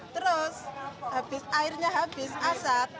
terus airnya habis asap